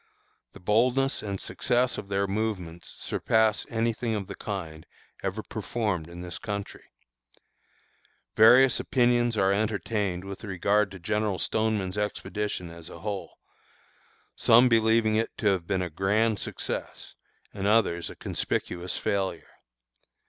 The boldness and success of their movements surpass any thing of the kind ever performed in this country. Various opinions are entertained with regard to General Stoneman's expedition as a whole, some believing it to have been a grand success, and others a conspicuous failure.